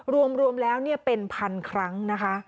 รวมแล้วเป็นพันครั้งนะคะ